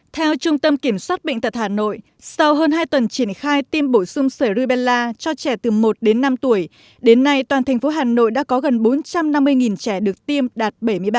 theo trung tâm kiểm soát bệnh tật hà nội sau hơn hai tuần triển khai tiêm bổ sung sở ribella cho trẻ từ một đến năm tuổi đến nay toàn thành phố hà nội đã có gần bốn trăm năm mươi trẻ được tiêm đạt bảy mươi ba